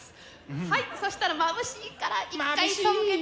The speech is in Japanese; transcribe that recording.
はいそしたらまぶしいから一回背けて。